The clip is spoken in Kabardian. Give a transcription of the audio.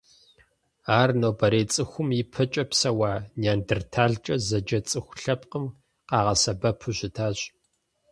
Ар нобэрей цӏыхум ипэкӏэ псэуа Неандрталкӏэ зэджэ цӏыху лъэпкъым къагъэсэбэпу щытащ.